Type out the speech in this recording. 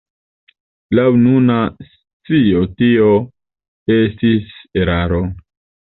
Laŭ nuna scio tio estis eraro.